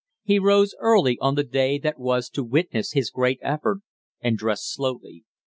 He rose early on the day that was to witness his great effort and dressed slowly.